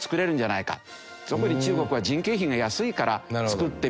特に中国は人件費が安いから造ってみる。